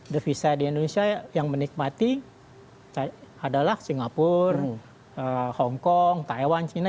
devisa di indonesia yang menikmati adalah singapura hongkong taiwan china